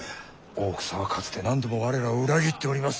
大草はかつて何度も我らを裏切っております。